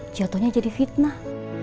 jatuhnya jadi fitnah